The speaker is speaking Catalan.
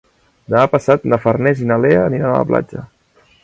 Demà passat na Farners i na Lea aniran a la platja.